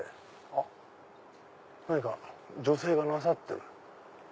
あっ何か女性がなさってる。